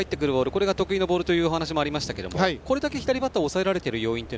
これが得意のボールだというお話もありましたがこれだけ左バッターを抑えられている要因は？